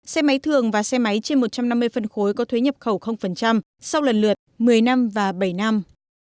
xe máy thường và xe máy trên một trăm năm mươi phân khối có thuế nhập khẩu sau lần lượt một mươi năm và bảy năm